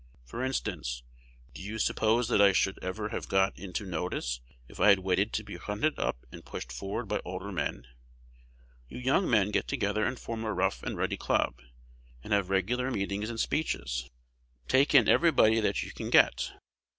For instance, do you suppose that I should ever have got into notice if I had waited to be hunted up and pushed forward by older men. You young men get together and form a Rough and Ready Club, and have regular meetings and speeches. Take in everybody that you can get.